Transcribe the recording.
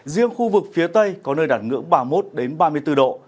riêng khu vực phía tây có nơi đạt ngưỡng ba mươi một ba mươi bốn độ